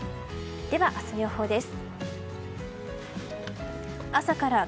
では、明日の予報です。